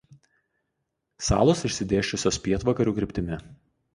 Salos išsidėsčiusios pietvakarių kryptimi.